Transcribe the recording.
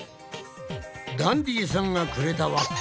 ダンディさんがくれた輪っか。